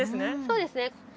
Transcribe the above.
そうですね